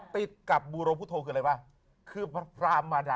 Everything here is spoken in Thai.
ติดกับบุรพุทธหรืออะไรว่ะ